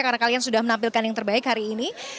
karena kalian sudah menampilkan yang terbaik hari ini